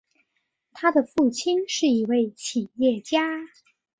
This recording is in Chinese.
他的父亲是一位企业家。